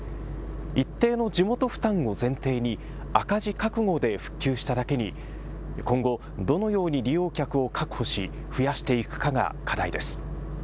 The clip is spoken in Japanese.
一定の地元負担を前提に赤字覚悟で復旧しただけに今後どのように利用客を確保し増やしていくかが課題です。